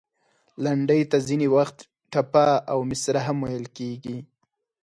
لنډۍ ته ځینې وخت، ټپه او مصره هم ویل کیږي.